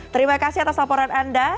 terima kasih atas laporan anda